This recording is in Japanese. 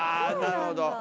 あなるほど。